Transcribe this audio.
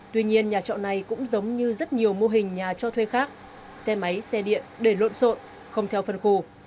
tuy nhiên nhà trọ này cũng giống như rất nhiều mô hình nhà cho thuê khác xe máy xe điện để lộn xộn không theo phân khu